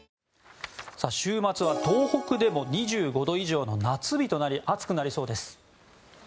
週末は東北でも２５度以上の夏日となり暑くなりそうです。